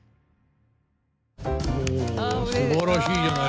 おすばらしいじゃないですか。